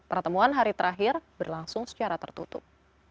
pertemuan hari terakhir berlangsung secara tertutup